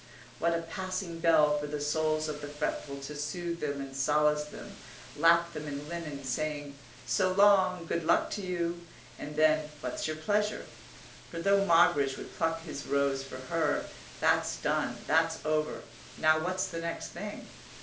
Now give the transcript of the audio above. what a passing bell for the souls of the fretful to soothe them and solace them, lap them in linen, saying, "So long. Good luck to you!" and then, "What's your pleasure?" for though Moggridge would pluck his rose for her, that's done, that's over. Now what's the next thing?